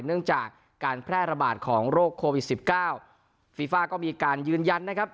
เนื่องจากการแพร่ระบาดของโรคโควิดสิบเก้าฟีฟ่าก็มีการยืนยันนะครับ